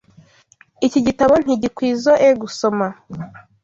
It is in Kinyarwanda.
Iki gitabo ntigikwizoe gusoma.